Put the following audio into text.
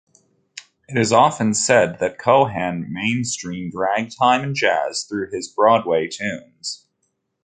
It is often said that Cohan mainstreamed ragtime and jazz through his Broadway tunes.